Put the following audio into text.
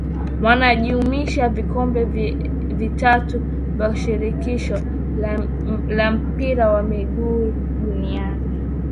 Yanajumuisha vikombe vitatu vya shirikisho la mpira wa miguu duniani